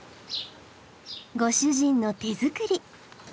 ご主人の手作り。